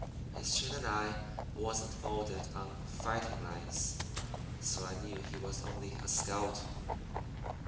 His chin and eye wasn't molded on fighting lines, so I knew he was only a scout.